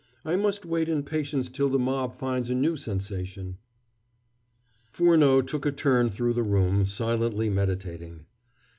I must wait in patience till the mob finds a new sensation." Furneaux took a turn through the room, silently meditating.